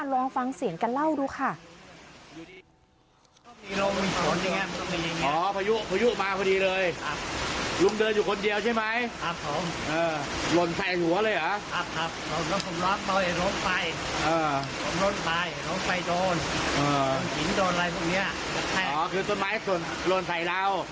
ลองฟังเสียงกันเล่าดูค่ะ